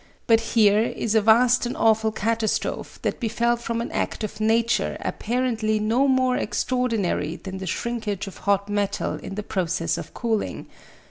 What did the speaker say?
But here is a vast and awful catastrophe that befell from an act of Nature apparently no more extraordinary than the shrinkage of hot metal in the process of cooling.